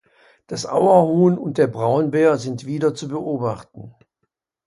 Das Auerhuhn und der Braunbär sind wieder zu beobachten.